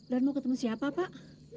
mau ketemu siapa pak